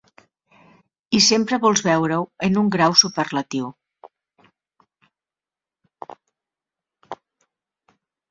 I sempre vols veure-ho en un grau superlatiu.